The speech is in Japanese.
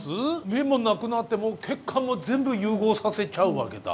目もなくなって血管も全部融合させちゃうわけだ。